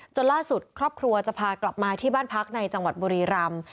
ล่าสุดครอบครัวจะพากลับมาที่บ้านพักในจังหวัดบุรีรำ